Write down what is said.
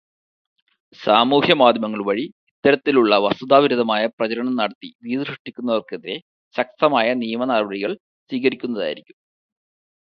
സാമൂഹ്യമാധ്യമങ്ങൾ വഴി ഇത്തരത്തിലുള്ള വസ്തുതാ വിരുദ്ധമായ പ്രചരണം നടത്തി ഭീതി സൃഷ്ടിക്കുന്നവർക്കെതിരെ ശക്തമായ നിയമനടപടികൾ സ്വീകരിക്കുന്നതായിരിക്കും.